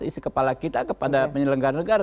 isi kepala kita kepada penyelenggara negara